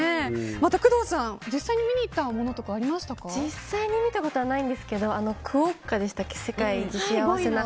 また工藤さん実際に見に行ったものは実際に見たことはないんですけどクオッカでしたっけ世界一幸せな。